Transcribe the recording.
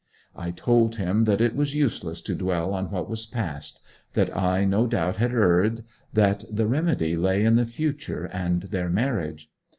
I told him that it was useless to dwell on what was past, that I no doubt had erred, that the remedy lay in the future and their marriage.